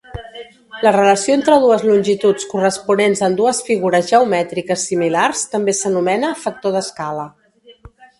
La relació entre dues longituds corresponents en dues figures geomètriques similars també s'anomena factor d'escala.